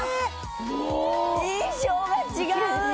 もう印象が違う！